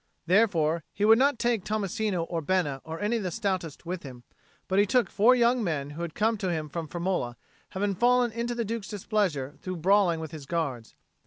Therefore he would not take Tommasino or Bena or any of the stoutest with him; but he took four young men who had come to him from Firmola, having fallen into the Duke's displeasure through brawling with his guards.